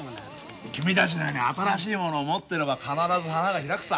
君たちのように新しいものを持ってれば必ず花が開くさ。